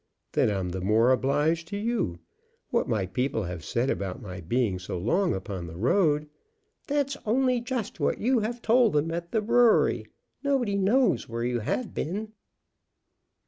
"Then I'm the more obliged to you. What my people have said about my being so long upon the road " "That's only just what you have told them at the brewery. Nobody knows where you have been."